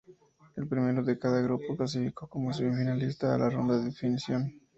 El primero de cada grupo clasificó como semifinalista a la ronda de definición.